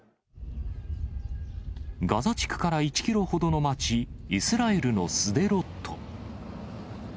ガザ地区から１キロほどの町、イスラエルのスデロット。